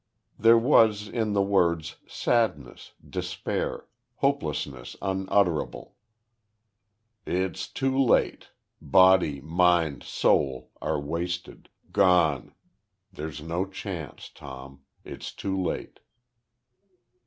There was in the words sadness, despair, hopelessness unutterable. "It's too late. Body, mind, soul are wasted, gone. There's no chance, Tom. It's too late!"